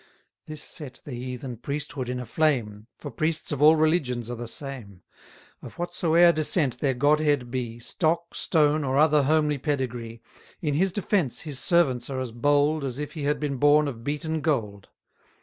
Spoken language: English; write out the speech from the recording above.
This set the heathen priesthood in a flame; For priests of all religions are the same. Of whatsoe'er descent their godhead be, 100 Stock, stone, or other homely pedigree, In his defence his servants are as bold, As if he had been born of beaten gold.